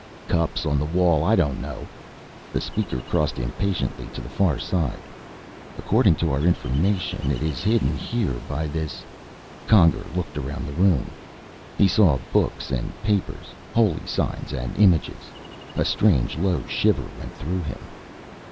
"Cups on the wall. I don't know." The Speaker crossed impatiently to the far side. "According to our information, it is hidden here by this " Conger looked around the room. He saw books and papers, holy signs and images. A strange low shiver went through him.